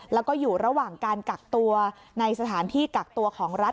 แล้วก็อยู่ระหว่างการกักตัวในสถานที่กักตัวของรัฐ